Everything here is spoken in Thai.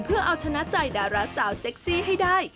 เพื่อเอาชนะใจดาราสาวเซ็กซี่ให้ได้